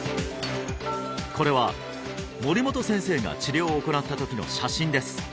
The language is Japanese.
これは森本先生が治療を行った時の写真です